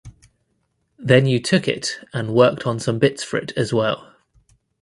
Then you took it and worked on some bits for it as well.